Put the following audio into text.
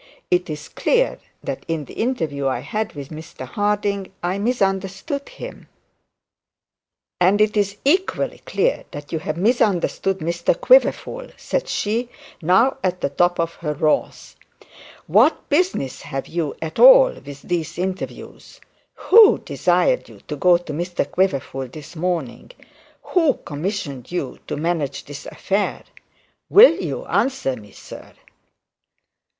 It is clear that in the interview I had with Mr Harding, I misunderstood him ' 'And it is equally clear that you have misunderstood Mr Quiverful,' said she, not at the top of her wrath. 'What business have you at all with these interviews? Who desired you to go to Mr Quiverful this morning? Who commissioned you to manage this affair? Will you answer me, sir?